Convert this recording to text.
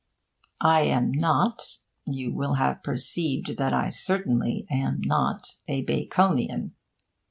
I am not you will have perceived that I certainly am not a 'Baconian.'